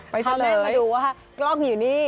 ไปเฉลยเข้าแม่มาดูว่ากล้องอยู่นี่